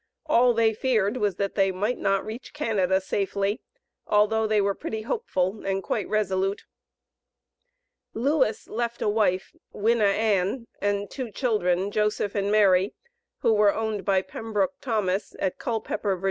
All they feared was that they might not reach Canada safely, although they were pretty hopeful and quite resolute. Lewis left a wife, Winna Ann, and two children, Joseph and Mary, who were owned by Pembroke Thomas, at Culpepper, Va.